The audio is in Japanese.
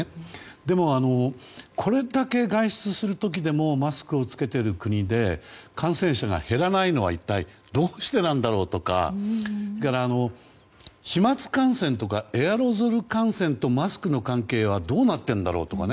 でも、これだけ外出する時でもマスクを着けている国で感染者が減らないのは一体どうしてなんだろうとかそれから飛沫感染とかエアロゾル感染とマスクの関係はどうなっているんだろうとかね。